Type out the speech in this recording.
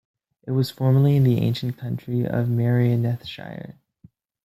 It was formerly in the ancient county of Merionethshire.